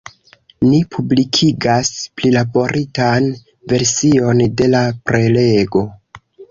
Ni publikigas prilaboritan version de la prelego.